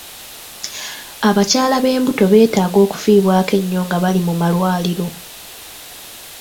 Abakyala ab'embuto beetaaga okufiibwako ennyo nga bali mu malwaliro.